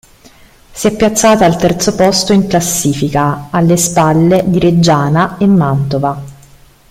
Si è piazzata al terzo posto in classifica, alle spalle di Reggiana e Mantova.